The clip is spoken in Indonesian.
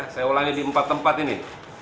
saya ulangi di empat tempat ini